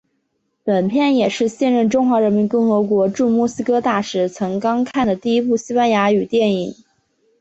本片也是现任中华人民共和国驻墨西哥大使曾钢看的第一部西班牙语电影。